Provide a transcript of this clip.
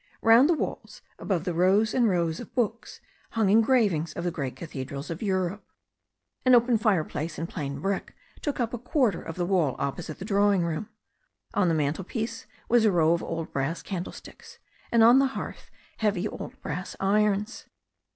Roimd the walls, above the rows and rows of books, hung engravings of the great cathedrals of Europe. An open fireplace in plain brick took up a quarter of the wall oppo site the drawing room. On the mantelpiece was a row of old brass candlesticks, and on the hearth heavy old brass irons.